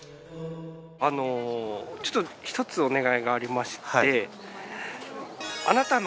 ちょっと１つお願いがありまして。